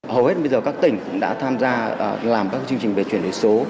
hầu hết bây giờ các tỉnh cũng đã tham gia làm các chương trình về chuyển đổi số